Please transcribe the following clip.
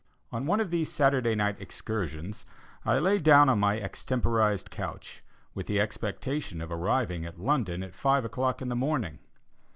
On one of these Saturday night excursions, I lay down on my extemporized couch, with the expectation of arriving at London at five o'clock in the morning.